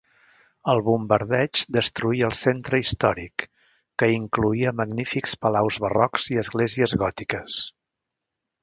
El bombardeig destruí el centre històric que incloïa magnífics palaus barrocs i esglésies gòtiques.